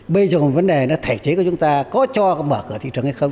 bây giờ vấn đề là thể chế của chúng ta có cho mở cửa thị trường hay không